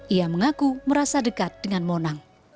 ia mengaku merasa dekat dengan monang